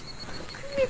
久美子。